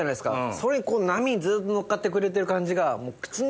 それにこう波にずっと乗っかってくれてる感じが。